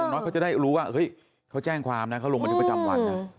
น้อยเขาจะได้รู้ว่าเฮ้ยเขาแจ้งความนะเขาลงบันทึกประจำวันนะ